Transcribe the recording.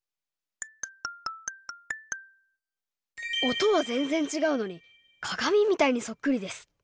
音は全然違うのに鏡みたいにそっくりです。